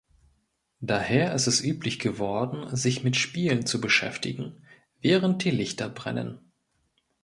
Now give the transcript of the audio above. Daher ist es üblich geworden, sich mit Spielen zu beschäftigen, während die Lichter brennen.